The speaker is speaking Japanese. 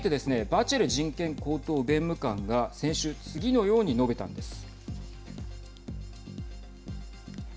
バチェレ人権高等弁務官が先週次のように述べたんです。